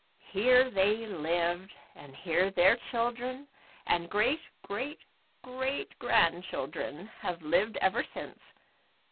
Here they lived, and here their children, and great great great grandchildren have lived ever since.